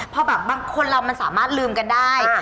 พอแบบบางคนเรามันสามารถลืมกันได้